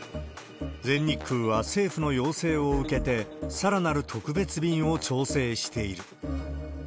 全日空は政府の要請を受けて、さらなる特別便を調整している。